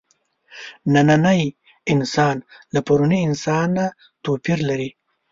نننی انسان له پروني انسانه توپیر لري.